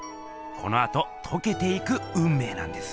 このあととけていくうんめいなんです。